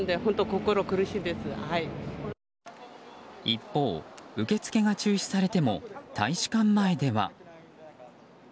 一方、受け付けが中止されても大使館前では。